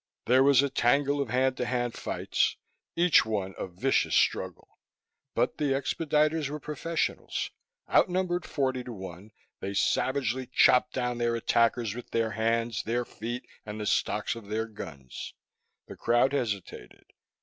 There was a tangle of hand to hand fights, each one a vicious struggle. But the expediters were professionals; outnumbered forty to one, they savagely chopped down their attackers with their hands, their feet and the stocks of their guns. The crowd hesitated.